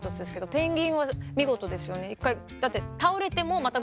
ペンギンは見事ですよね。